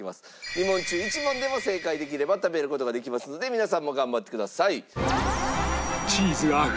２問中１問でも正解できれば食べる事ができますので皆さんも頑張ってください。